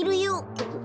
くっ。